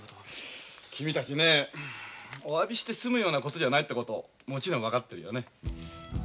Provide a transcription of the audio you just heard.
君たちねおわびして済むようなことじゃないってこともちろん分かってるよね？